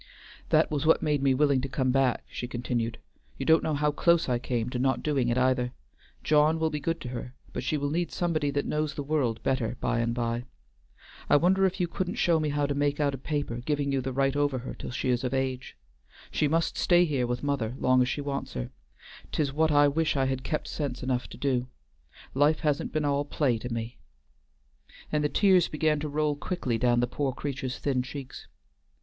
"That was what made me willing to come back," she continued, "you don't know how close I came to not doing it either. John will be good to her, but she will need somebody that knows the world better by and by. I wonder if you couldn't show me how to make out a paper giving you the right over her till she is of age? She must stay here with mother, long as she wants her. 'Tis what I wish I had kept sense enough to do; life hasn't been all play to me;" and the tears began to roll quickly down the poor creature's thin cheeks.